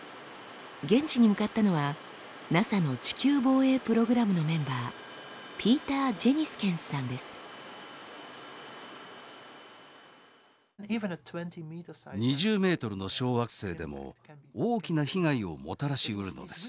現地に向かったのはＮＡＳＡの地球防衛プログラムのメンバー２０ｍの小惑星でも大きな被害をもたらしうるのです。